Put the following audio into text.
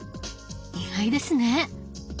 意外ですね。